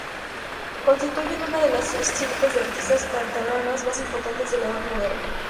Constituyen una de las estirpes de artistas catalanas más importantes de la Edad Moderna.